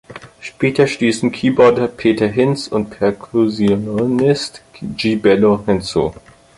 Später stießen Keyboarder Peter Hinds und Percussionist Gee Bello hinzu.